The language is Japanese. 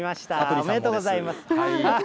おめでとうございます。